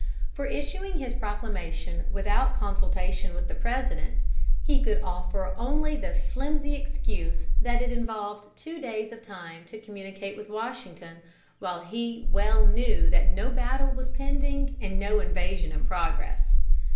For issuing his proclamation without consultation with the President, he could offer only the flimsy excuse that it involved two days of time to communicate with Washington, while he well knew that no battle was pending and no invasion in progress.